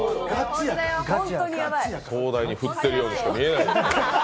壮大に振ってるようにしか見えないです。